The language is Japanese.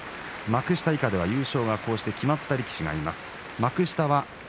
幕下以下優勝が決まった力士があります。